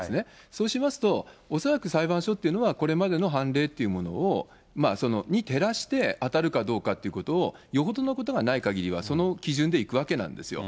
そうしますと、恐らく裁判所というのは、これまでの判例っていうものに照らして当たるかどうかということをよほどのことがないかぎりはその基準でいくわけなんですよ。